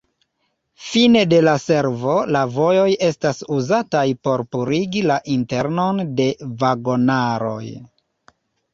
Fine de la servo, la vojoj estas uzataj por purigi la internon de vagonaroj.